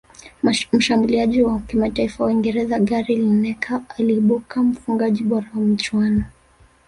Mshambulizi wa kimataifa wa uingereza gary lineker aliibuka mfungaji bora wa michuano